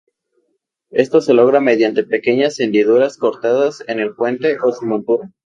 Esto se logra mediante pequeñas hendiduras cortadas en el puente o su montura.